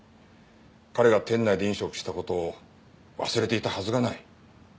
彼が店内で飲食した事を忘れていたはずがない。